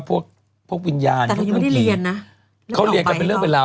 พวกพวกวิญญาณเขามีแต่พี่ยังไม่ได้เรียนน่ะเขาเรียนกันเป็นเรื่องเวลา